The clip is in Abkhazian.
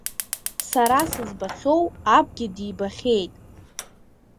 Сара сызбахьоу Абгьы дибахьеит.